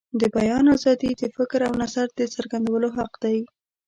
د بیان آزادي د فکر او نظر د څرګندولو حق دی.